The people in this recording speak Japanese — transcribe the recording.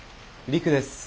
陸です。